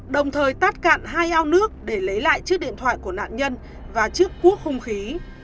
đồng thời tắt cạn hai ao nước để lấy lại chiếc điện thoại của nạn nhân và chiếc cuốc không khí